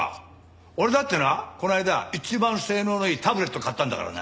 俺だってなこの間一番性能のいいタブレット買ったんだからな。